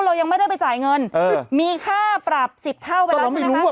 เรายังไม่ได้ไปจ่ายเงินมีค่าปรับ๑๐เท่าไปแล้วใช่ไหมคะ